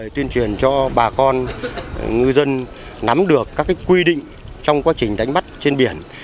tuyên truyền cho bà con ngư dân nắm được các quy định trong quá trình đánh bắt trên biển